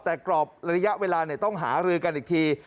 แต่กรอบระยะเวลาต้องหารือกันอีกที